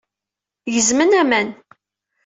Gezmen aman.